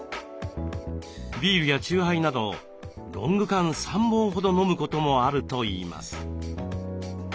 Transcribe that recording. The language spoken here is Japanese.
ビールやチューハイなどロング缶３本ほど飲むこともあるといいます。